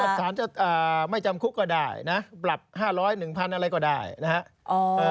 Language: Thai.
สารจะไม่จำคุกก็ได้นะปรับ๕๐๐๑๐๐อะไรก็ได้นะฮะ